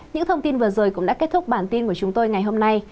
những thông tin vừa rồi cũng đã kết thúc bản tin của chúng tôi ngày hôm nay